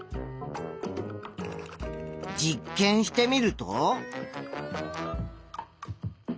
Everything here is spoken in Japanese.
実験してみると。